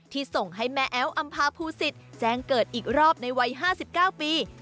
ส่งให้แม่แอ๊วอำพาภูสิตแจ้งเกิดอีกรอบในวัย๕๙ปี